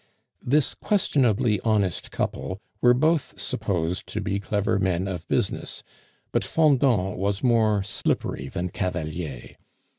This questionably honest couple were both supposed to be clever men of business, but Fendant was more slippery than Cavalier.